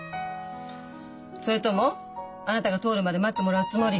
それともあなたが通るまで待ってもらうつもり？